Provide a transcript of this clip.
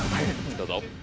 どうぞ。